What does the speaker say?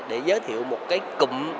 để giới thiệu một cái cụm